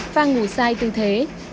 và ngủ sai tư thế